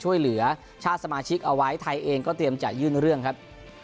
ช่วยเหลือชาติสมาชิกเอาไว้ไทยเองก็เตรียมจะยื่นเรื่องครับ